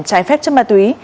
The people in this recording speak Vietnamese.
trái phép chất ma túy